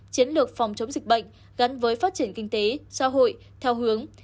chiến lược phòng chống dịch bệnh gắn với phát triển kinh tế xã hội theo hướng